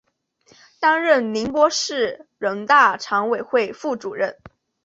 担任宁波市人大常委会副主任。